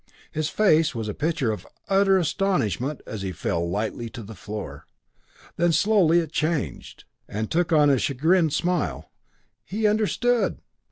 His face was a picture of utter astonishment as he fell lightly to the floor then slowly it changed, and took on a chagrined smile he understood!